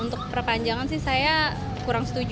untuk perpanjangan sih saya kurang setuju